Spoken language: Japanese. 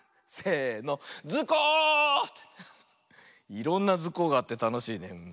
いろんな「ズコ！」があってたのしいね。